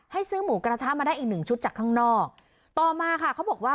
ซื้อหมูกระทะมาได้อีกหนึ่งชุดจากข้างนอกต่อมาค่ะเขาบอกว่า